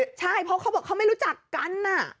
ต้องฟังที่นี้ใช่เพราะเขาบอกเขาไม่รู้จักกัน